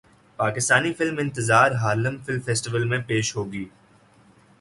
Pakistani film Intezaar Harlem film festival میں پیش ہوگی